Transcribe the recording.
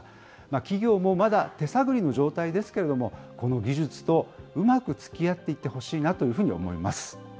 企業もまだ手探りの状態ですけれども、この技術とうまくつきあっていってほしいなというふうに思います。